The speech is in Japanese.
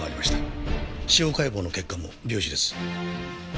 司法解剖の結果も病死です。